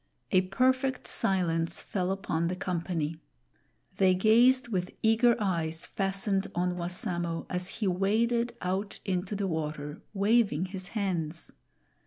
A perfect silence fell upon the company. They gazed with eager eyes fastened on Wassamo, as he waded ont into the water, waving his hands.